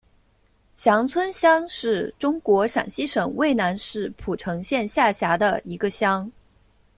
翔村乡是中国陕西省渭南市蒲城县下辖的一个乡。